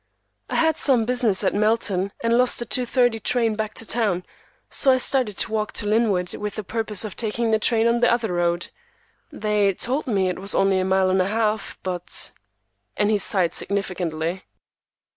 "I had some business at Melton, and lost the 2:30 train back to town, so I started to walk to Linwood with the purpose of taking a train on the other road. They told me it was only a mile and a half, but—." And he sighed significantly.